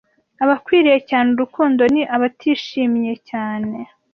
abakwiriye cyane urukundo ni abatishimye cyane